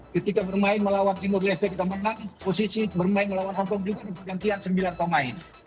ketika bermain melawan timur di sti kita menang posisi bermain melawan hongkong juga bergantian sembilan pemain